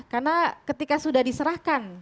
karena ketika sudah diserahkan